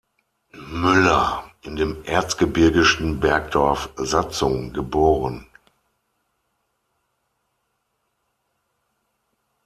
Müller, in dem erzgebirgischen Bergdorf Satzung geboren.